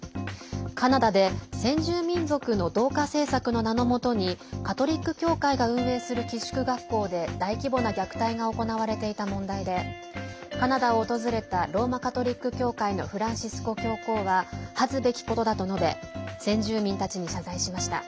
カナダで先住民族の同化政策の名の下にカトリック教会が運営する寄宿学校で大規模な虐待が行われていた問題でカナダを訪れたローマ・カトリック教会のフランシスコ教皇は恥ずべきことだと述べ先住民たちに謝罪しました。